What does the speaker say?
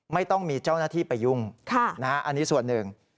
ไม่ต้องมีเจ้าหน้าที่ไปยุ่งอันนี้ส่วนหนึ่ง